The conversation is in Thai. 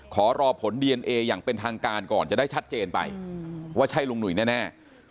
ขอรอผลดีเอนเออย่างเป็นทางการก่อนจะได้ชัดเจนไปว่าใช่ลุงหนุ่ยแน่